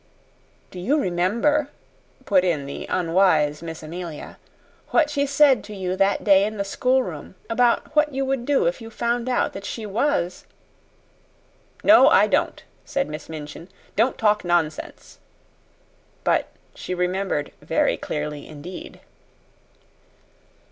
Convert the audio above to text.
"Do you remember," put in the unwise Miss Amelia, "what she said to you that day in the schoolroom about what you would do if you found out that she was " "No, I don't," said Miss Minchin. "Don't talk nonsense." But she remembered very clearly indeed.